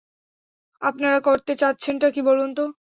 আপনারা করতে চাচ্ছেনটা কী বলুন তো?